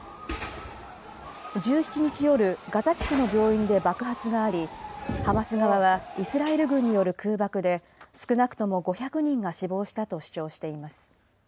１７日夜、ガザ地区の病院で爆発があり、ハマス側はイスラエル軍による空爆で少なくとも５００人が死亡したと主張しています。